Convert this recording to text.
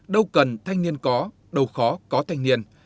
đâu cần thanh niên có đâu khó có thanh niên